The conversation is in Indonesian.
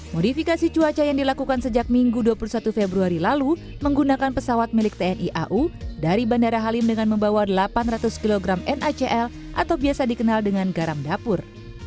modifikasi cuaca yang dilakukan sejak minggu dua puluh satu februari lalu menggunakan pesawat milik tni au dari bandara halim dengan membawa delapan ratus kg nacl atau biasa dikenal dengan garam dapur